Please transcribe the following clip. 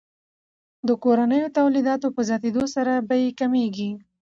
د کورنیو تولیداتو په زیاتیدو سره بیې کمیږي.